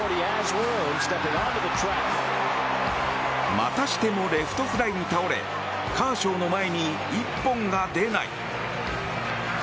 またしてもレフトフライに倒れカーショーの前に１本が出ない。